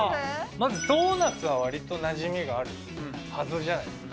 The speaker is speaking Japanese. まずドーナツはわりとなじみがあるはずじゃないですか。